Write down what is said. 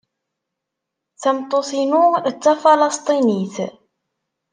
Tameṭṭut-inu d Tafalesṭinit.